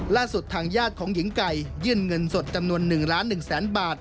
ล่าสุดทางญาติของหญิงไก่ยื่นเงินสดจำนวน๑ล้าน๑แสนบาท